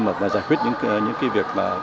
mà giải quyết những cái việc